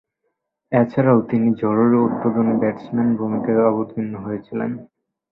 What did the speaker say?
এছাড়াও তিনি জরুরি উদ্বোধনী ব্যাটসম্যানের ভূমিকায় অবতীর্ণ হয়েছিলেন।